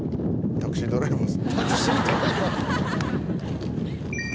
「タクシードライバー」